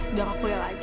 udah gak kuliah lagi